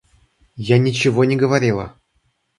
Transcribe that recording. Я ничего не говорила!